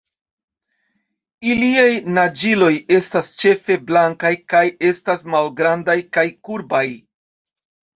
Iliaj naĝiloj estas ĉefe blankaj kaj estas malgrandaj kaj kurbaj.